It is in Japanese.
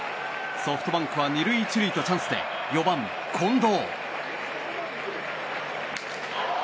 ソフトバンクは２塁１塁とチャンスで４番、近藤。